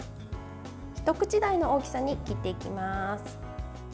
一口大の大きさに切っていきます。